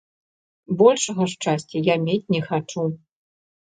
Большага шчасця я мець не хачу!